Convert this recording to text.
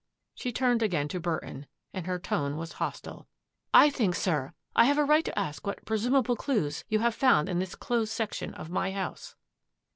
She turned again to Burton and her tone was hostile. ^^ I think, sir, I have a right to ask what presumable clues you have found in this closed section of my house."